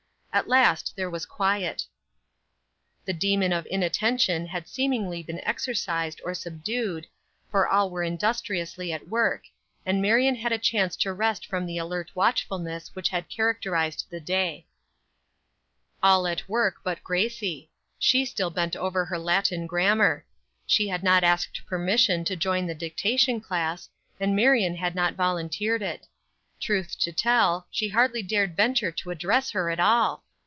At last there was quiet. The demon of inattention had seemingly been exorcised or subdued, for all were industriously at work, and Marion had a chance to rest from the alert watchfulness which had characterized the day. All at work but Gracie. She still bent over her Latin grammar. She had not asked permission to join the dictation class, and Marion had not volunteered it. Truth to tell, she hardly dared venture to address her at all.